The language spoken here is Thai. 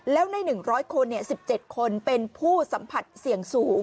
แล้วใน๑๐๐คน๑๗คนเป็นผู้สัมผัสเสี่ยงสูง